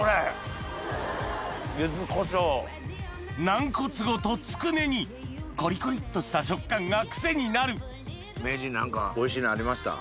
軟骨ごとつくねにコリコリっとした食感がクセになる名人何かおいしいのありました？